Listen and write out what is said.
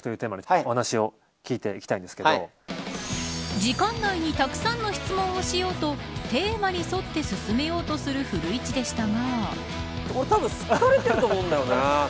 時間内にたくさんの質問をしようとテーマに沿って進めようとする古市でしたが。